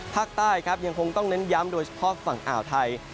ภาคใต้ครับยังคงต้องเน้นย้ำโดยเฉพาะฝั่งอ่าวไทย